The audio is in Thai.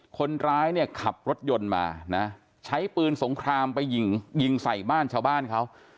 คนร้ายเนี่ยขับรถยนต์มานะใช้ปืนสงครามไปยิงยิงใส่บ้านชาวบ้านเขา